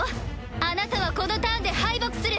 あなたはこのターンで敗北する！